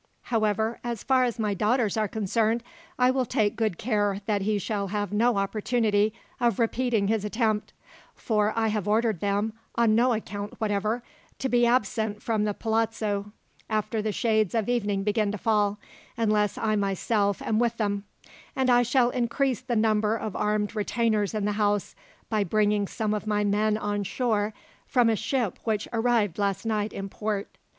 However, as far as my daughters are concerned, I will take good care that he shall have no opportunity of repeating his attempt; for I have ordered them, on no account whatever, to be absent from the palazzo after the shades of evening begin to fall, unless I myself am with them; and I shall increase the number of armed retainers in the house, by bringing some of my men on shore from a ship which arrived last night in port.